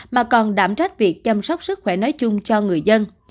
mà còn đảm trách việc chăm sóc sức khỏe nói chung cho người dân